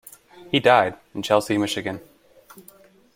He died in Chelsea, Michigan.